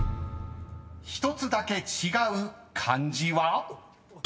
［１つだけ違う漢字は？］